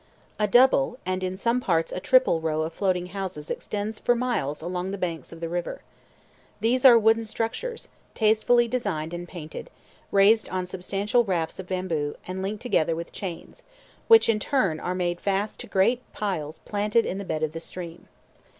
A double, and in some parts a triple, row of floating houses extends for miles along the banks of the river. These are wooden structures, tastefully designed and painted, raised on substantial rafts of bamboo linked together with chains, which, in turn, are made fast to great piles planted in the bed of the stream.